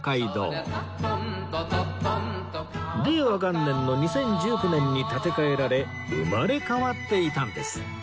令和元年の２０１９年に建て替えられ生まれ変わっていたんです